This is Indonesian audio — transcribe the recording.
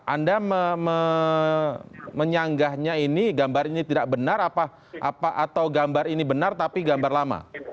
anda menyanggahnya ini gambar ini tidak benar atau gambar ini benar tapi gambar lama